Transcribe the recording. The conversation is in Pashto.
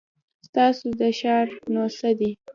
ستاسو د ښار نو څه دی ؟